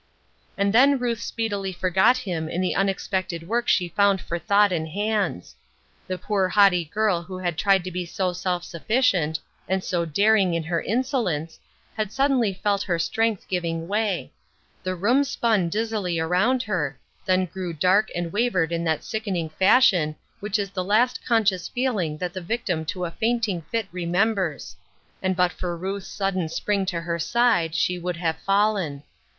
And then Ruth speedily forgot him in the un expected work she found for thought and hands. The poor haughty girl who had tried to be so self sufficient, and so daring in her insolence, had sud denly felt her strength giving way ; the room spun dizzily around her, then grew dark and wavered in that sickening fashion which is the last conscious feeling that the victim to a fainting fit remembers, UNDER GUIDANCE. 3I9 and but for Ruth's sudden spring to her side, she would have fallen.